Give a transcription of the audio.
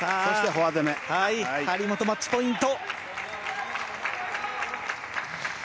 張本、マッチポイント。